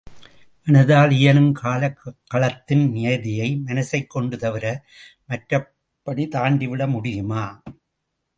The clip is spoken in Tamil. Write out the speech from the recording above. மனதால் இயலும் காலக் களத்தின் நியதியை மனசைக் கொண்டு தவிர, மற்றபடித் தாண்டி விட முடியுமா?